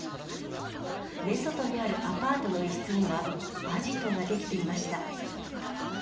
メソトにあるアパートの一室には、アジトが出来ていました。